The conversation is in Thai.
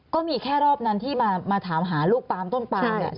ก็มีแค่รอบนั้นที่มาถามหาลูกปาล์มต้นปาล์มแหละใช่ไหมคะ